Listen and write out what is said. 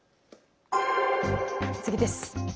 次です。